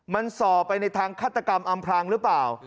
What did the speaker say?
มันส่อไปในทางฆาตกรรมอำพลางหรือเปล่า